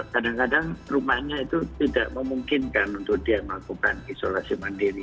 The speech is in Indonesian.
kadang kadang rumahnya itu tidak memungkinkan untuk dia melakukan isolasi mandiri